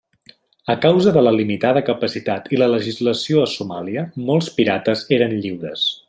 A causa de la limitada capacitat i la legislació a Somàlia, molts pirates eren lliures.